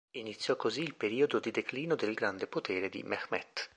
Iniziò così il periodo di declino del grande potere di Mehmet.